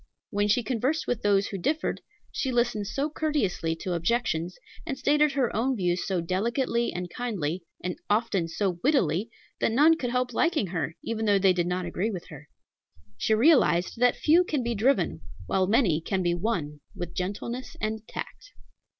When she conversed with those who differed, she listened so courteously to objections, and stated her own views so delicately and kindly, and often so wittily, that none could help liking her, even though they did not agree with her. She realized that few can be driven, while many can be won with gentleness and tact.